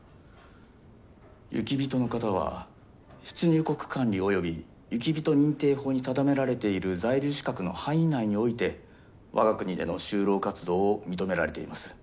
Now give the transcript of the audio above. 雪人の方は出入国管理及び雪人認定法に定められている在留資格の範囲内において我が国での就労活動を認められています。